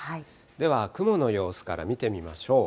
では、雲の様子から見てみましょう。